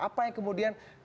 apa yang kemudian